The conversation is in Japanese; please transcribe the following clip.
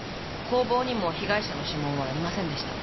工房にも被害者の指紋はありませんでした。